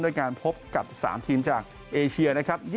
โดยการพบกับ๓ทีมจากเอเชีย